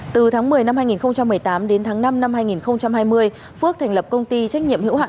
từ tháng một mươi năm hai nghìn một mươi tám đến tháng năm năm hai nghìn hai mươi phước thành lập công ty trách nhiệm hữu hạn